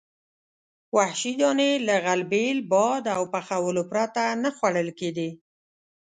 وحشي دانې له غلبیل، باد او پخولو پرته نه خوړل کېدې.